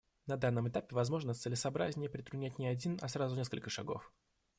На данном этапе, возможно, целесообразнее предпринять не один, а сразу несколько шагов.